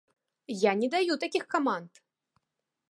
Я не даю такіх каманд!